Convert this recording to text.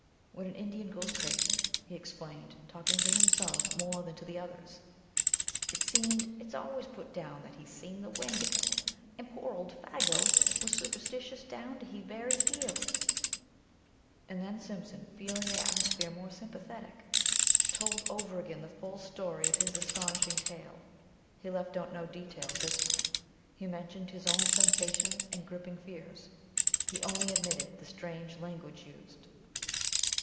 "When an Indian goes crazy," he explained, talking to himself more than to the others, it seemed, "it's always put that he's 'seen the Wendigo.' An' pore old Défaygo was superstitious down to he very heels ...!" And then Simpson, feeling the atmosphere more sympathetic, told over again the full story of his astonishing tale; he left out no details this time; he mentioned his own sensations and gripping fears. He only omitted the strange language used.